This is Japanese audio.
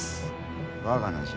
我が名じゃ。